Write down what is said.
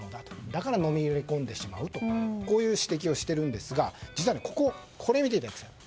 だからのめり込んでしまうというこういう指摘をしているんですが実は、これを見ていただきたい。